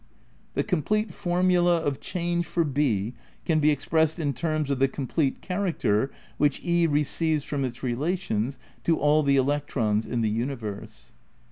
The complete formula of change for B can be expressed in terms of the complete character which e receives from its relations to all the electrons in the universe."